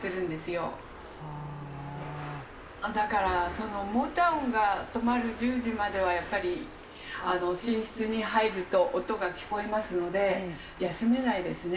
だからモーター音が止まる１０時まではやっぱり寝室に入ると音が聞こえますので休めないですね。